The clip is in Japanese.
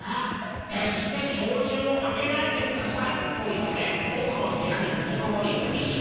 「けっしてしょうじを開けないでください」と言っておくの部屋にとじこもりいっしょうけんめい